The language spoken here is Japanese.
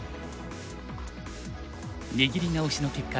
握り直しの結果